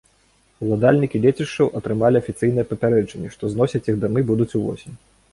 Уладальнікі лецішчаў атрымалі афіцыйнае папярэджанне, што зносіць іх дамы будуць увосень.